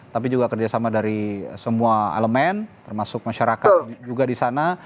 tapi juga kerjasama dari semua elemen termasuk masyarakat juga di sana